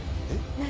「何？」